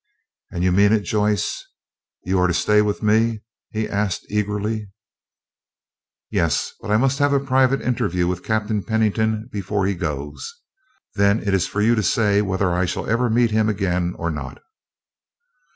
"And you mean it, Joyce? you are to stay with me?" he asked, eagerly. "Yes, but I must have a private interview with Captain Pennington before he goes. Then it is for you to say whether I shall ever meet him again or not."